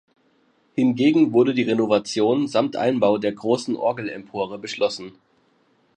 Hingegen wurde die Renovation samt Einbau der grossen Orgelempore beschlossen.